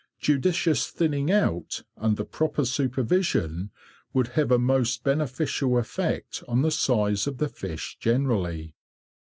Judicious thinning out, under proper supervision, would have a most beneficial effect on the size of the fish generally.